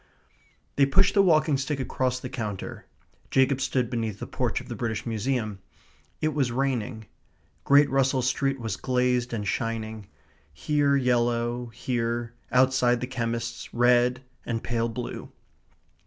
They pushed the walking stick across the counter. Jacob stood beneath the porch of the British Museum. It was raining. Great Russell Street was glazed and shining here yellow, here, outside the chemist's, red and pale blue.